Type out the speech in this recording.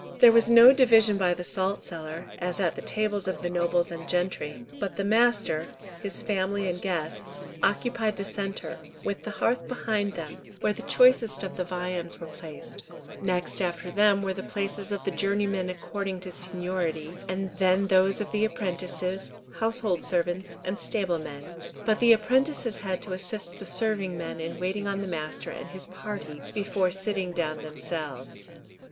There was no division by the salt cellar, as at the tables of the nobles and gentry, but the master, his family and guests, occupied the centre, with the hearth behind them, where the choicest of the viands were placed; next after them were the places of the journeymen according to seniority, then those of the apprentices, household servants, and stable men, but the apprentices had to assist the serving men in waiting on the master and his party before sitting down themselves.